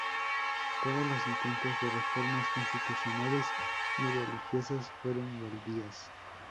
Todos los intentos de reformas constitucionales y religiosas fueron baldíos.